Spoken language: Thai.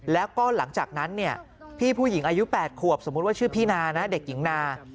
แล้วก็หลังจากนั้นเนี่ยพี่ผู้หญิงอายุ๘ขวบสมมุติว่าชื่อพี่นานะเด็กหญิงนา